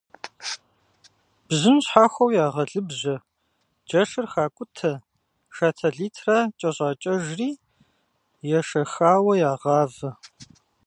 Бжьын щхьэхуэу ягъэлыбжьэ, джэшыр хакӏутэ, шатэ литрэ кӏэщӏакӏэжри ешэхауэ ягъавэ.